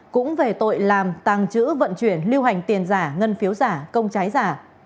cũng về tội làm tàng trữ vận chuyển lưu hành tiền giả ngân phiếu giả công trái giả